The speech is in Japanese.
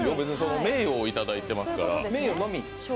名誉をいただいていますから、名誉のみ。